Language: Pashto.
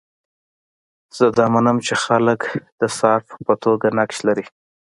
زه دا منم چې خلک د صارف په توګه نقش لري.